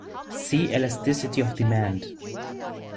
See Elasticity of demand.